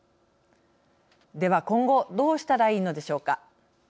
では今後どうしたらいいのでしょうか。